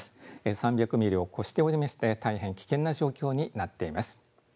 ３００ミリを超しておりまして大変危険な状況になっています。